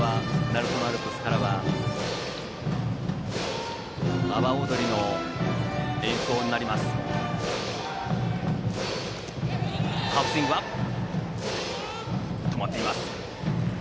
鳴門のアルプスからは阿波おどりの演奏になります。